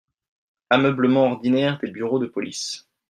Ameublement ordinaire des bureaux de police…